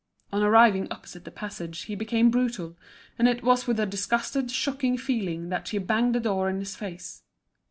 On arriving opposite the passage he became brutal, and it was with a disgusted, shocked feeling that she banged the door in his face.